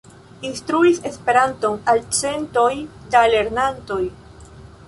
Instruis Esperanton al centoj da lernantoj.